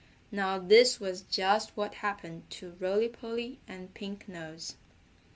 Now this was just what happened to Rolly Polly and Pink Nose.